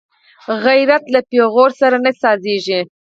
غیرت له پېغور سره نه سازېږي